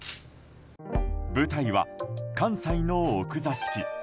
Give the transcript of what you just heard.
舞台は、関西の奥座敷。